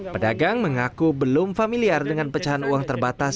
pedagang mengaku belum familiar dengan pecahan uang terbatas